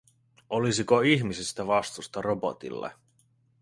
Olisiko ihmisistä vastusta robotille?